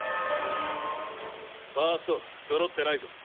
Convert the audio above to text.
ファーストそろってないぞ。